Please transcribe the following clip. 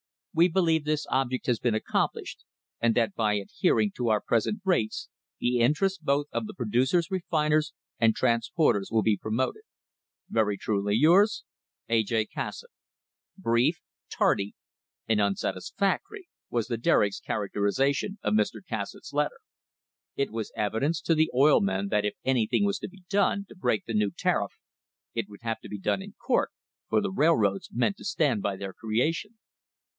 We believe that this object has been accomplished, and that by adhering to our present rates the interests both of the producers, refiners and transporters will be promoted. Very truly yours, A. J. Cassatt T. "Brief, tardy and unsatisfactory," was the Derrick's ch acterisation of Mr. Cassatt's letter. It was evidence to the oil men that if anything was to be done to break the new tariff it would have to be done in court, for the railroads meant to stand by their creation.